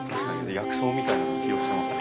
薬草みたいな色してますもんね。